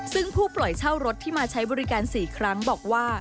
ซึ่งผู้ปล่อยเช่ารถที่มาใช้บริการ๔ครั้งบอกว่า